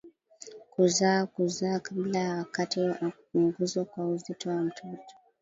kuzaa kuzaa kabla ya wakati na kupunguzwa kwa uzito wa mtoto